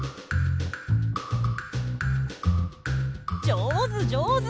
じょうずじょうず。